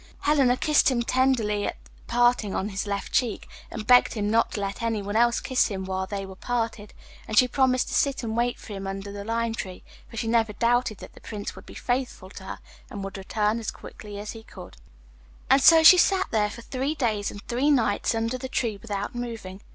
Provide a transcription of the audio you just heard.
Helena kissed him tenderly at parting on his left cheek, and begged him not to let anyone else kiss him there while they were parted, and she promised to sit and wait for him under the lime tree, for she never doubted that the Prince would be faithful to her and would return as quickly as he could. And so she sat for three days and three nights under the tree without moving.